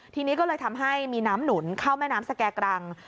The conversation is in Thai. ทีนี้ก็เลยทำให้มีน้ำหนุนเข้าแม่น้ำสแก่กรัง